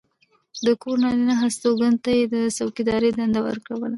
د کور نارینه هستوګنو ته یې د څوکېدارۍ دنده ورکوله.